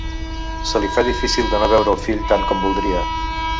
Se li fa difícil de no veure el fill tant com voldria.